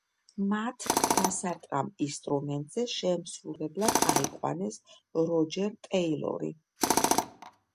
მათ დასარტყამ ინსტრუმენტზე შემსრულებლად აიყვანეს როჯერ ტეილორი.